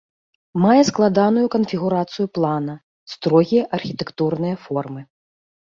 Мае складаную канфігурацыю плана, строгія архітэктурныя формы.